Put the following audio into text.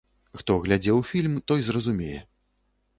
Хто глядзеў фільм, той зразумее.